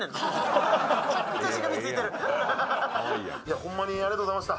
ホンマにありがとうございました。